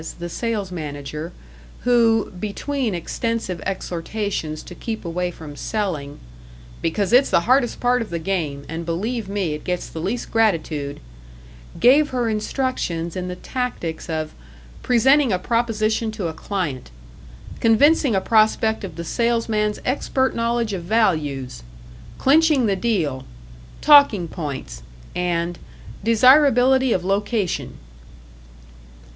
the sales manager, who, between extensive exhortations to keep away from selling "because it's the hardest part of the game, and, believe me, it gets the least gratitude" gave her instructions in the tactics of "presenting a proposition to a client," "convincing a prospect of the salesman's expert knowledge of values," "clinching the deal," "talking points," and "desirability of location."